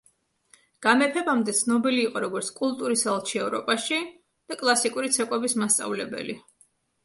გამეფებამდე ცნობილი იყო, როგორც „კულტურის ელჩი“ ევროპაში და კლასიკური ცეკვების მასწავლებელი.